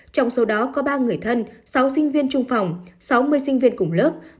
trong số đó có ba người thân sáu sinh viên trung phòng sáu mươi sinh viên cùng lớp